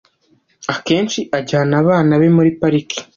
Akenshi ajyana abana be muri pariki.